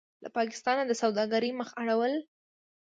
له پاکستانه د سوداګرۍ مخ اړول: